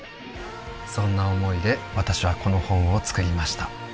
「そんな想いで私はこの本を作りました」